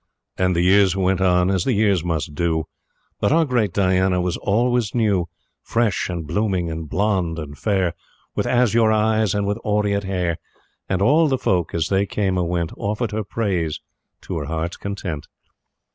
And the years went on as the years must do; But our great Diana was always new Fresh, and blooming, and blonde, and fair, With azure eyes and with aureate hair; And all the folk, as they came or went, Offered her praise to her heart's content.